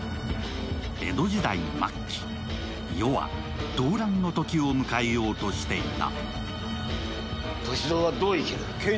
江戸時代末期、世は動乱のときを迎えようとしていた。